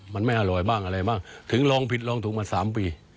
มันไม่อร่อยบ้างอะไรบ้างถึงลองผิดลองถูกมา๓ปี